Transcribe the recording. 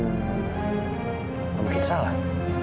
nggak mungkin salah